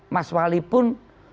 mas wali pun